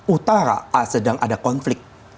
utara sedang ada konflik